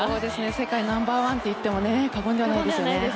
世界ナンバー１といっても過言じゃないですね。